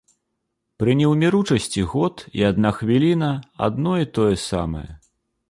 Пры неўміручасці год і адна хвіліна адно і тое самае.